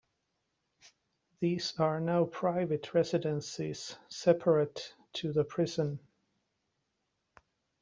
These are now private residences, separate to the prison.